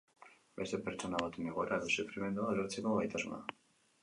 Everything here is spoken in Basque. Beste pertsona baten egoera edo sufrimendua ulertzeko gaitasuna.